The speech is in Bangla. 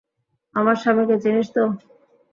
আমার স্বামীকে চিনিস তো?